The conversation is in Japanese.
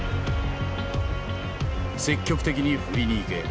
「積極的に振りにいけ」